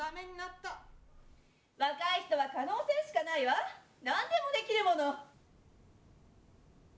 「若い人は可能性しかないわ何でもできるもの」。